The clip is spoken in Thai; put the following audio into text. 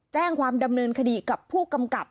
แจ้งความดำเนินคดีกับผู้กำกับ